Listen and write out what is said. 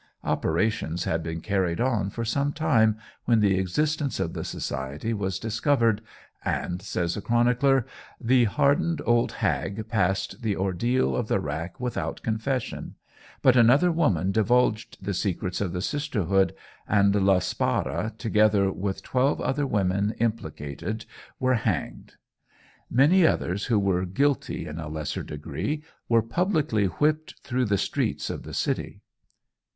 Operations had been carried on for some time, when the existence of the society was discovered and, says a chronicler, "the hardened old hag passed the ordeal of the rack without confession; but another woman divulged the secrets of the sisterhood, and La Spara, together with twelve other women implicated, were hanged." Many others who were guilty in a lesser degree were publicly whipped through the streets of the city.